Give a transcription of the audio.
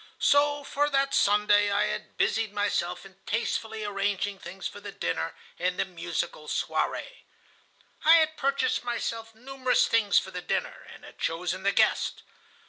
So for that Sunday I had busied myself in tastefully arranging things for the dinner and the musical soirée. I had purchased myself numerous things for the dinner, and had chosen the guests.